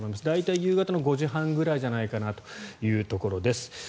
大体、夕方の５時半ぐらいじゃないかなというところです。